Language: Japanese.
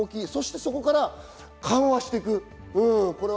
そこから緩和していく。